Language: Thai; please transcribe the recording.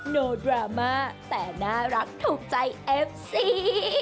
โนดราม่าแต่น่ารักถูกใจเอฟซี